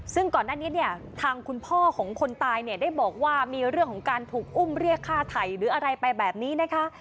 ซึ่งก่อนหน้านี้เนี่ยทางคุณพ่อของคนตายเนี่ยได้บอกว่ามีเรื่องของการถูกอุ้มเรียกฆ่าไถ่หรืออะไรไปแบบนี้นะคะ